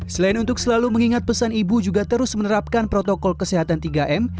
selain untuk selalu mengingat pesan ibu juga terus menerapkan protokol kesehatan tiga m